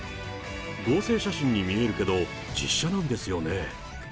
合成写真に見えるけど実写なんですよね。